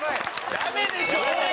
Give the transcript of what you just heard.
ダメでしょう！